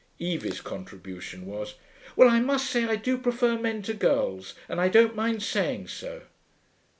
Evie's contribution was, 'Well, I must say I do prefer men to girls, and I don't mind saying so.'